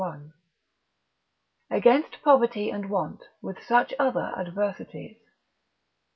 III. Against Poverty and Want, with such other Adversities.